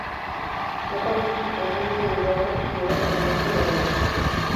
No cambió su situación y se negó a ser auxiliado por Jason Guadalupe.